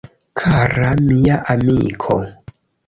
Kara mia amiko!